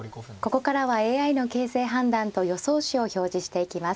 ここからはＡＩの形勢判断と予想手を表示していきます。